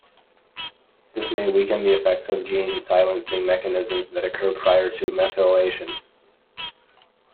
This may weaken the effects of gene silencing mechanisms that occur prior to methylation.